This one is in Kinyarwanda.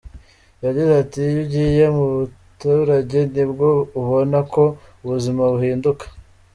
Yagize ati “Iyo ugiye mu baturage nibwo ubona ko ubuzima buhinduka.